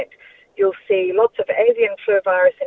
anda akan melihat banyak virus avian